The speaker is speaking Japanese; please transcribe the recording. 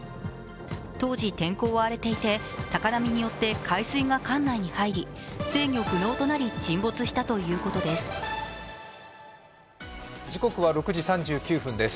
当時、天候は荒れていて高波によって海水が艦内に入り制御不能となり沈没したということです。